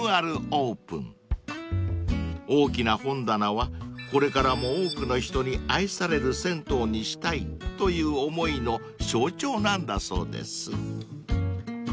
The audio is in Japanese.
［大きな本棚はこれからも多くの人に愛される銭湯にしたいという思いの象徴なんだそうです］